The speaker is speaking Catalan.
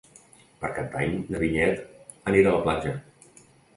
Per Cap d'Any na Vinyet anirà a la platja.